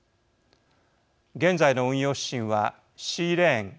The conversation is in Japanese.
現在の運用指針はシーレーン＝